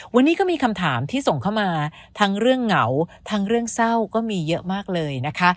วันนี้ก็มีคำถามที่ส่งเข้ามาทั้งเรื่องเหงาทั้งเรื่องเศร้าก็มีเยอะมากเลยนะคะ